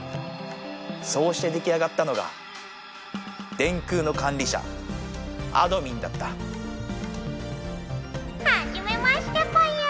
そうして出来上がったのが電空の管理者あどミンだったはじめましてぽよ。